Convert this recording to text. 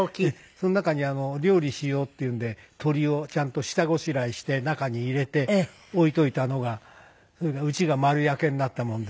その中に料理しようっていうんで鶏をちゃんと下ごしらえして中に入れて置いといたのが家が丸焼けになったもんですから。